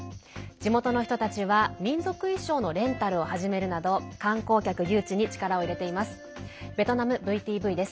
地元の人たちは民族衣装のレンタルを始めるなど観光客誘致に力を入れています。